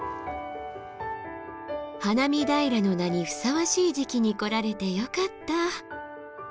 「花見平」の名にふさわしい時期に来られてよかった！